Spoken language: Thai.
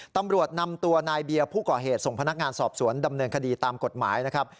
ตำรวจนำตัวนายเบียร์ผู้ก่อเหตุส่งพนักงานสอบสวนดำเนินคดีตามกฎหมายนะครับ